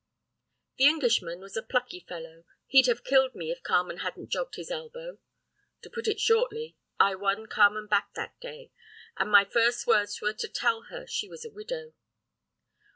"The Englishman was a plucky fellow. He'd have killed me if Carmen hadn't jogged his elbow. "To put it shortly, I won Carmen back that day, and my first words were to tell her she was a widow.